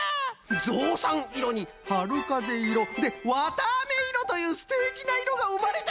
ぞうさんいろにはるかぜいろでわたあめいろというすてきないろがうまれたぞい！